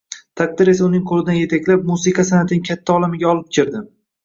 Taqdir esa uning qo’lidan yetaklab, musiqa san’atining katta olamiga olib kirdi.